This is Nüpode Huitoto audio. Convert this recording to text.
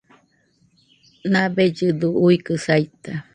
Nabellɨdo uikɨ saita